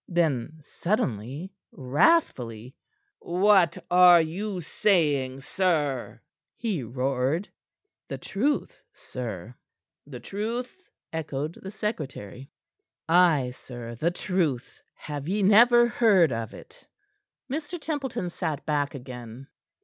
Then, suddenly, wrathfully: "What are you saying, sir?" he roared. "The truth, sir." "The truth?" echoed the secretary. "Ay, sir the truth. Have ye never heard of it?" Mr. Templeton sat back again.